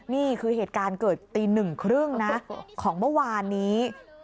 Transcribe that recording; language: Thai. นี่คือเหตุการณ์เกิดตีหนึ่งครึ่งนะของเมื่อวานนี้